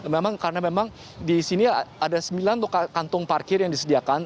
memang karena memang disini ada sembilan kantong parkir yang disediakan